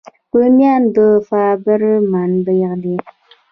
رومیان د فایبر منبع دي